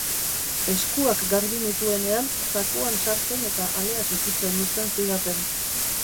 Eskuak garbi nituenean, zakuan sartzen eta aleak ukitzen uzten zidaten.